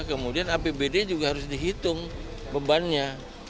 kemudian apbd juga harus dihitung bebannya